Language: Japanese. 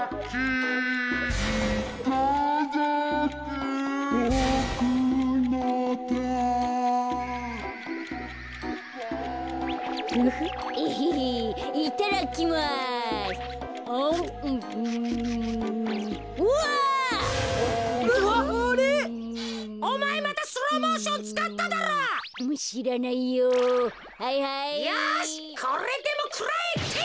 よしこれでもくらえ。てい！